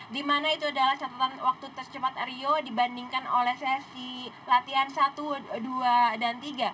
di mana itu adalah catatan waktu tercepat rio dibandingkan oleh sesi latihan satu dua dan tiga